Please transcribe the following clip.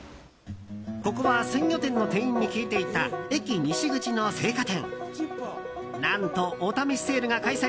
ここは鮮魚店の店員に聞いていた、駅西口の青果店。